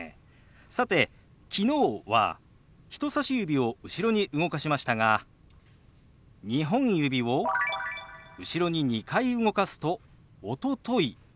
さて「昨日」は人さし指を後ろに動かしましたが２本指を後ろに２回動かすと「おととい」。